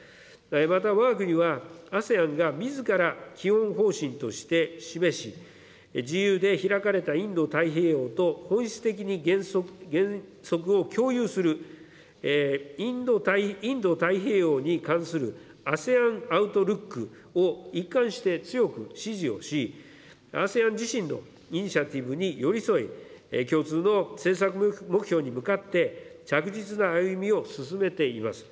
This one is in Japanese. またわが国はＡＳＥＡＮがみずから基本方針として示し、自由でひらかれたインド太平洋と、本質的に原則を共有する、インド太平洋に関するＡＳＥＡＮアウトルックを、一貫して強く支持をし、ＡＳＥＡＮ自身のイニシアティブに寄り添い、共通の政策目標に向かって、着実な歩みを進めています。